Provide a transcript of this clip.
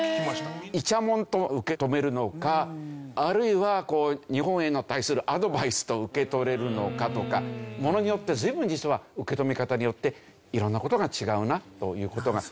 イチャモンと受け止めるのかあるいは日本に対するアドバイスと受け取れるのかとかものによっては随分実は受け止め方によって色んな事が違うなという事が出てきますけど。